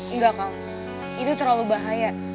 enggak kang itu terlalu bahaya